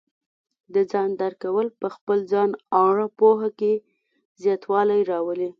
د ځان درک کول په خپل ځان اړه پوهه کې زیاتوالی راولي.